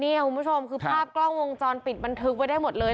นี่คุณผู้ชมคือภาพกล้องวงจรปิดบันทึกไว้ได้หมดเลย